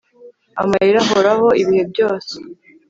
amarira ahoraho, ibihe byose